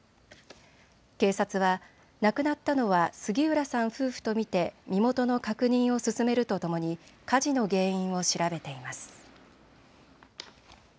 警察は亡くなったのは杉浦さん夫婦と見て身元の確認を進めるとともに火事の原因を調べています。